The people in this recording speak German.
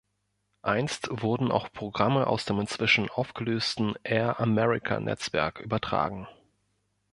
Einst wurden auch Programme aus dem inzwischen aufgelösten Air America-Netzwerk übertragen.